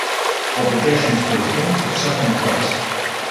Obligations to the king took second place.